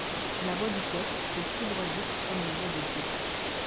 La voix du peuple peut foudroyer tout comme la voix de Dieu.